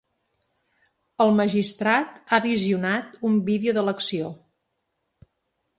El magistrat ha visionat un vídeo de l’acció.